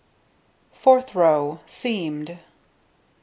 Fourth row: Seamed.